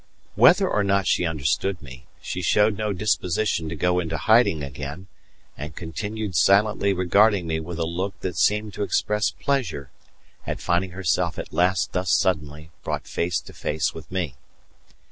Whether or not she understood me, she showed no disposition to go into hiding again, and continued silently regarding me with a look that seemed to express pleasure at finding herself at last thus suddenly brought face to face with me.